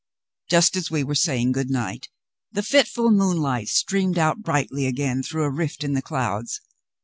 Just as we were saying good night, the fitful moonlight streamed out brightly again through a rift in the clouds.